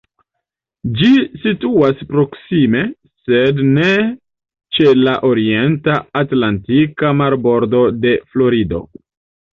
Ĝi situas proksime, sed ne ĉe la orienta atlantika marbordo de Florido.